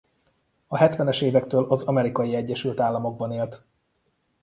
A hetvenes évektől az Amerikai Egyesült Államokban élt.